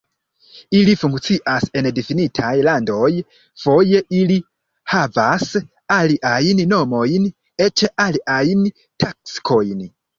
Ili funkcias en difinitaj landoj, foje ili havas aliajn nomojn, eĉ aliajn taskojn.